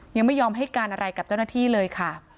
ยังไม่ยอมให้การอะไรกับเจ้าหน้าที่เลยค่ะ